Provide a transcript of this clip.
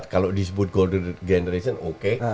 kalau disebut golden generation oke